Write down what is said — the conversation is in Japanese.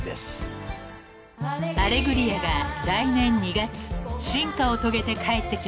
［『アレグリア』が来年２月進化を遂げて帰ってきます］